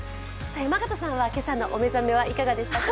山形さんは今朝のお目覚めいかがでしたか？